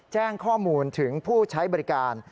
แจ้งข้อมูลถึงผู้ใช้บริการ